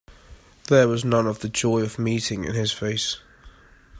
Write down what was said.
There was none of the joy of meeting in his face.